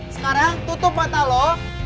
sekarang tutup mata lo